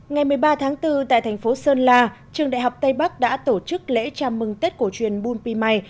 ngày một mươi ba tháng bốn tại thành phố sơn la trường đại học tây bắc đã tổ chức lễ chào mừng tết cổ truyền bùn pì mai